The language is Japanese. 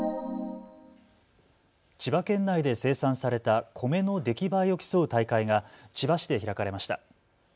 千葉県内で生産された米の出来栄えを競う大会が千葉市で開かれました。